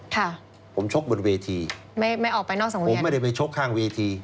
ค่ะผมชกบนเวทีไม่ไม่ออกไปนอกสังคมไม่ได้ไปชกข้างเวที